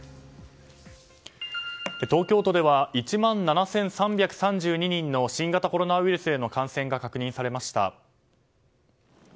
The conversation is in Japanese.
東京都では１万７３３２人の新型コロナウイルスへの感染が確認されました。